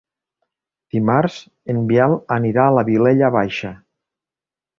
Dimarts en Biel anirà a la Vilella Baixa.